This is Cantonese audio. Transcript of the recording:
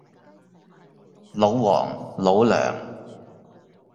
老黃，老梁